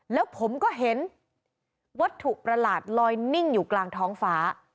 แล้วผมก็เห็นวัตถุประหลาดลอยนิ่งอยู่กลางท้องฟ้า